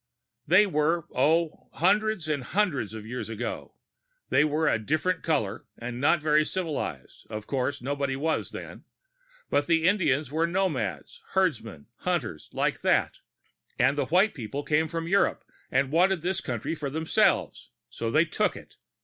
"They were, oh, hundreds and hundreds of years ago. They were a different color and not very civilized of course, nobody was then. But the Indians were nomads, herdsmen, hunters like that. And the white people came from Europe and wanted this country for themselves. So they took it.